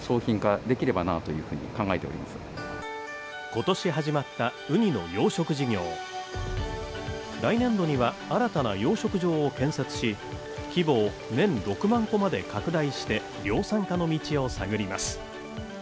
今年始まったウニの養殖事業来年度には新たな養殖場を建設し規模を年６万個まで拡大して量産化の道を探ります